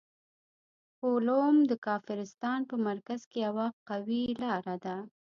کولوم د کافرستان په مرکز کې یوه قوي کلا ده.